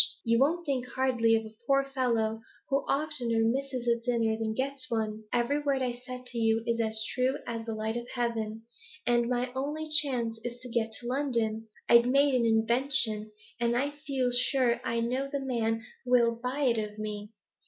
You won't think hardly of a poor fellow who oftener misses a dinner than gets one? Every word I've said to you's as true as the light of heaven, And my only chance is to get to London. I've made an invention, and I feel sure I know a man who will buy it of me.